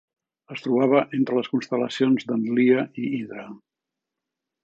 Es trobava entre les constel·lacions d"Antlia i Hydra.